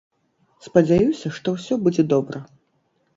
Спадзяюся, што ўсё будзе добра.